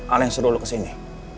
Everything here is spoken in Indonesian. al yang suruh lo kesini